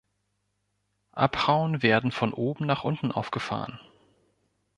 Abhauen werden von oben nach unten aufgefahren.